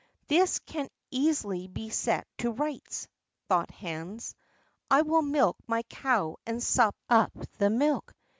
"This can easily be set to rights," thought Hans. "I will milk my cow and sup up the milk."